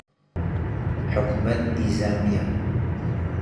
حکوومەت نیزامییە